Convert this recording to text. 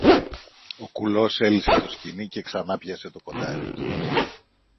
Ο κουλός έλυσε το σκοινί και ξανάπιασε το κοντάρι του